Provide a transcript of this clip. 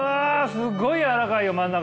すっごいやわらかいよ真ん中。